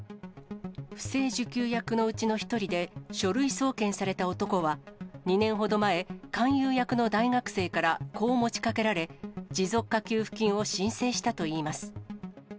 不正受給役のうちの１人で、書類送検された男は２年ほど前、勧誘役の大学生からこう持ちかけられ、持続化給付金を申請したといいます。